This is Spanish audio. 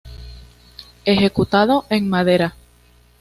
Ejecutado en madera.